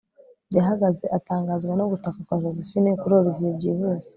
yahagaze atangazwa no gutaka kwa josephine; kuri olivier byihuse